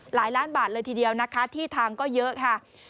หลายล้านบาทเลยทีเดียวนะคะที่ทางก็เยอะค่ะ